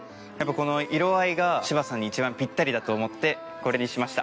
この色合いが柴さんに一番ぴったりだと思ってこれにしました。